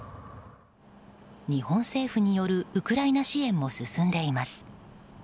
日本政府によるウクライナ支援も進んでいます。